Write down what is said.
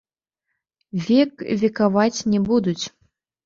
Век векаваць не будуць!